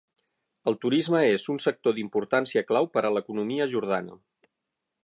El turisme és un sector d'importància clau per a l'economia jordana.